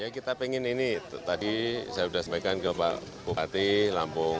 kita pengen ini tadi saya sudah sampaikan ke pak bupati lampung